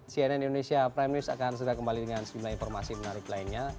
cnn indonesia prime news akan segera kembali dengan sejumlah informasi menarik lainnya